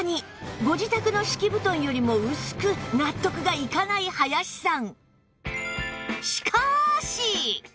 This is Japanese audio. ご自宅の敷き布団よりも薄く納得がいかない林さん